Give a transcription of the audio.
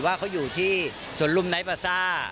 ว่าเขาอยู่ที่สวนลุมไนท์บาซ่า